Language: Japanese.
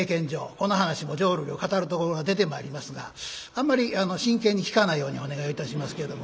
この噺も浄瑠璃を語るところが出てまいりますがあんまり真剣に聴かないようにお願いをいたしますけれども。